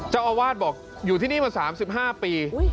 เจ้าอาวาสบอกอยู่ที่นี่มา๓๕ปี